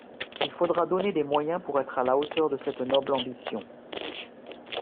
Il faudra donner des moyens pour être à la hauteur de cette noble ambition.